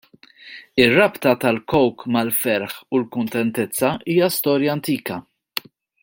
Ir-rabta tal-Coke mal-ferħ u l-kuntentizza hija storja antika.